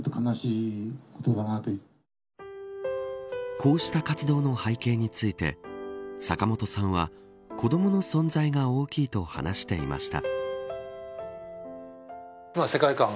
こうした活動の背景について坂本さんは子どもの存在が大きいと話していました。